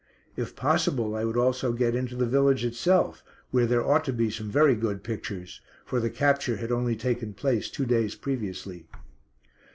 If possible, I would also get into the village itself where there ought to be some very good pictures, for the capture had only taken place two days previously.